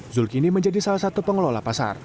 zul kini menjadi salah satu pengelola